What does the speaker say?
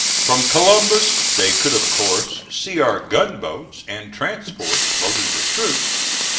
From Columbus they could, of course, see our gunboats and transports loaded with troops.